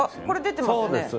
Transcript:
これ出てますよね？